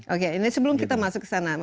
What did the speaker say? oke ini sebelum kita masuk ke sana